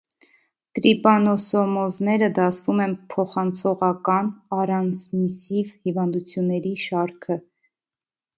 Տրիպանոսոմոզները դասվում են փոխանցողական (արանսմիսիվ) հիվանդությունների շարքը։